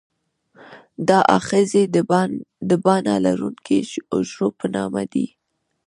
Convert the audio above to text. دا آخذې د باڼه لرونکي حجرو په نامه دي.